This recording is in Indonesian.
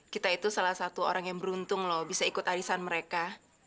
kita itu salah satu orang yang beruntung loh bisa ikut arisan mereka